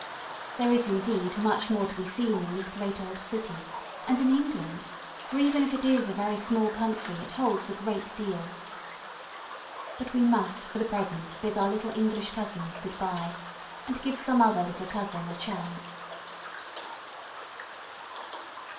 There is, indeed, much more to be seen in this great old city, and in England, for even if it is a very small country it holds a great deal. But we must for the present bid our little English cousins "good bye" and give some other little cousin a chance.